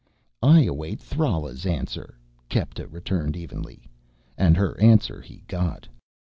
"I await Thrala's answer," Kepta returned evenly. And her answer he got.